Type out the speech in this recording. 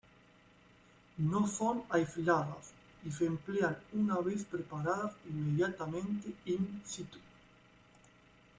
No son aisladas y se emplean una vez preparadas inmediatamente "in situ".